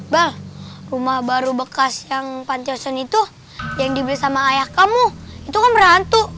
bal rumah baru bekas yang pantai hosun itu yang dibeli sama ayah kamu itu kan merantuk